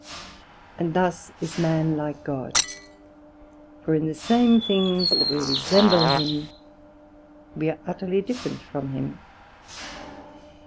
And thus is man like God; for in the same things that we resemble him, we are utterly different from him.